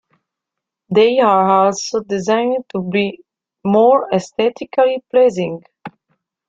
They are also designed to be more aesthetically pleasing.